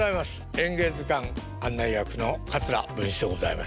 「演芸図鑑」案内役の桂文枝でございます。